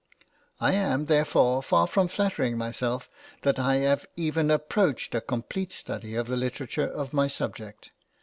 I am, therefore, far from flattering myself that I have even approached a complete study of the literature of my subject.